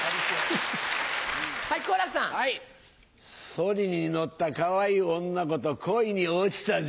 ソリに乗ったかわいい女の子と恋に落ちたぜ！